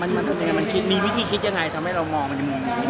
มันทำยังไงมันคิดมีวิธีคิดยังไงทำให้เรามองไปในมุมนี้